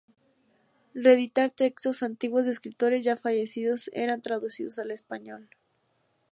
Reeditar textos antiguos de escritores ya fallecidos que eran traducidos al español.